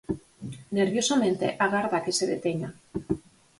Nerviosamente agarda que se deteña.